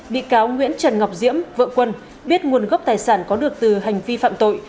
bị cáo nguyễn trần ngọc diễm vợ quân biết nguồn gốc tài sản có được từ hành vi phạm tội